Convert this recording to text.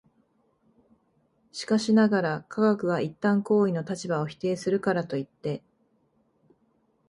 しかしながら、科学が一旦行為の立場を否定するからといって、